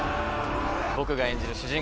僕が演じる主人